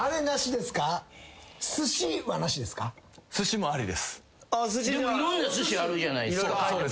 でもいろんなすしあるじゃないですか。